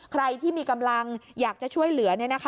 ใครที่มีกำลังอยากจะช่วยเหลือ